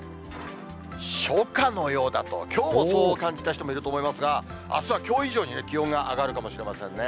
初夏のようだと、きょうもそう感じた人もいると思いますが、あすはきょう以上に気温が上がるかもしれませんね。